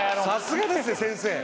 さすがですね先生。